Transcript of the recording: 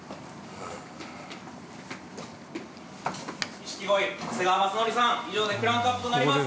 錦鯉長谷川雅紀さん以上でクランクアップとなります。